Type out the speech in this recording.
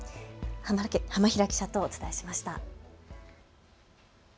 浜平記者とお伝えしました。